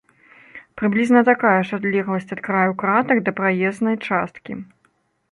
Прыблізна такая ж адлегласць ад краю кратак да праезнай часткі.